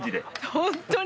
ホントに。